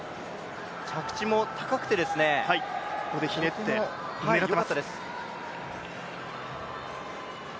着地も高くて、ここでひねって、よかったです。